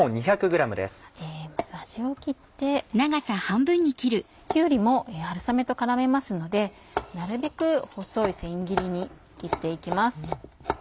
まず端を切ってきゅうりも春雨と絡めますのでなるべく細い千切りに切って行きます。